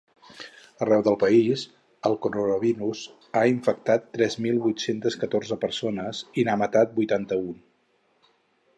Arreu del país, el coronavirus ha infectat tres mil vuit-cents catorze persones i n’ha matat vuitanta-u.